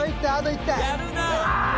やるな。